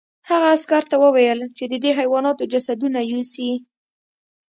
هغه عسکر ته وویل چې د دې حیواناتو جسدونه یوسي